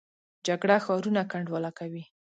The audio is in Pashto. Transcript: جګړه ښارونه کنډواله کوي